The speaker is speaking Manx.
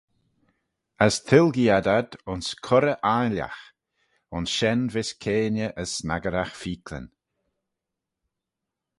As tilgee ad ad ayns coirrey aileagh: ayns shen vees keayney as snaggeraght feeacklyn.